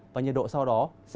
và nhiệt độ sau đó sẽ giảm nhẹ